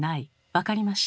分かりました。